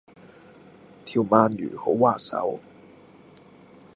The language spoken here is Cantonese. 條鰻魚好滑手